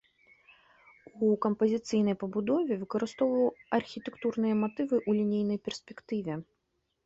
У кампазіцыйнай пабудове выкарыстоўваў архітэктурныя матывы ў лінейнай перспектыве.